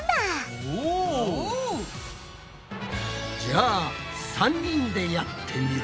じゃあ３人でやってみるぞ！